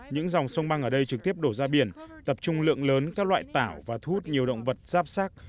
những dòng sông băng ở đây trực tiếp đổ ra biển tập trung lượng lớn các loại tảo và thu hút nhiều động vật giáp sát